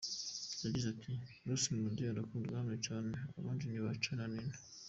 Yagize ati “Bruce Melody arakunzwe hano cyane, abandi ni ba Charly&Nina.